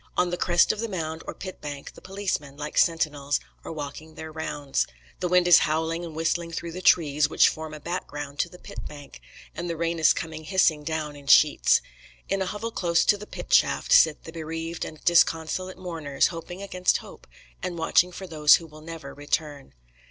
On the crest of the mound or pit bank, the policemen, like sentinels, are walking their rounds. The wind is howling and whistling through the trees which form a background to the pit bank, and the rain is coming hissing down in sheets. In a hovel close to the pit shaft sit the bereaved and disconsolate mourners, hoping against hope, and watching for those who will never return.